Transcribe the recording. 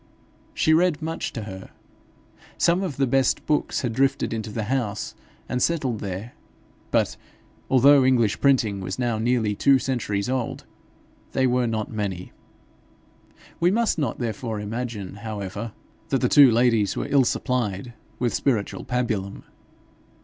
She read much to her. Some of the best books had drifted into the house and settled there, but, although English printing was now nearly two centuries old, they were not many. We must not therefore imagine, however, that the two ladies were ill supplied with spiritual pabulum.